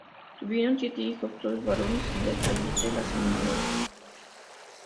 Tuvieron siete hijos, todos varones y al fallecer la Sra.